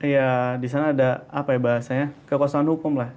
ya di sana ada apa ya bahasanya kekuasaan hukum lah